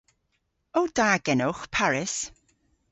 O da genowgh Paris?